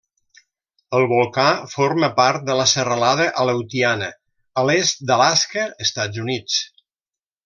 El volcà forma part de la serralada Aleutiana, a l'estat d'Alaska, Estats Units.